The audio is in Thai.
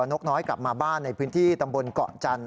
นกน้อยกลับมาบ้านในพื้นที่ตำบลเกาะจันท